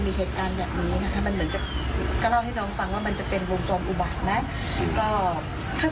ก็เล่าให้น้องฟังว่ามันจะเป็นวงจรอุบัตินะ